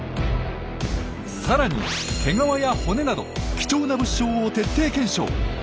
さらに毛皮や骨など貴重な物証を徹底検証。